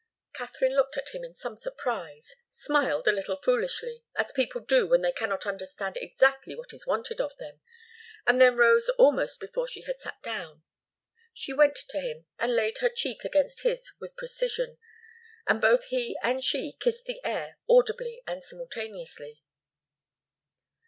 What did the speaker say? Katharine looked at him in some surprise, smiled a little foolishly, as people do when they cannot understand exactly what is wanted of them, and then rose almost before she had sat down. She went to him and laid her cheek against his with precision, and both he and she kissed the air audibly and simultaneously.